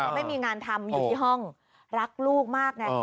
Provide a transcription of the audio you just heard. ไม่มีงานทำอยู่ที่ห้องรักลูกมากไง